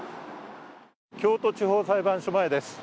京都地方裁判所前です。